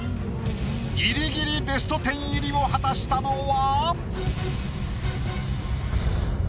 ギリギリベスト１０入りを果たしたのは？